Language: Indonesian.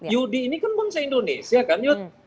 yudi ini kan bangsa indonesia kan